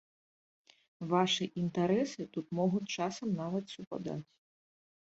Вашы інтарэсы тут могуць часам нават супадаць.